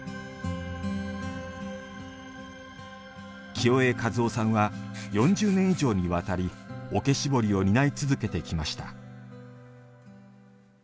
清江和雄さんは４０年以上に渡り桶絞りを担い続けてきました。